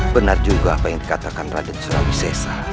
benar juga apa yang dikatakan raden surawisesa